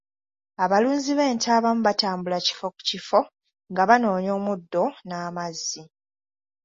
Abalunzi b'ente abamu batambula kifo ku kifo nga banoonya omuddo n'amazzi.